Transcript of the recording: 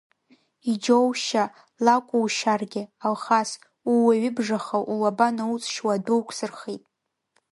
Иџьоушьа-лакәушьаргьы, Алхас, ууаҩыбжаха, улаба науҵшьуа адәы уқәсырхеит…